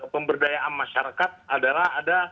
pemberdayaan masyarakat adalah